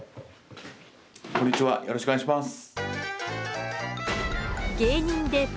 こんにちはよろしくお願いします。